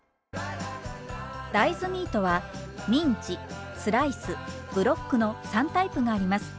大豆ミートはミンチスライスブロックの３タイプがあります。